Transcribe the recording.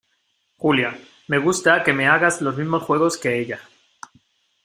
Julia, me gusta que me hagas los mismos juegos que ella.